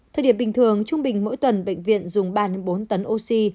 thời điểm bình thường trung bình mỗi tuần bệnh viện dùng ba bốn tấn oxy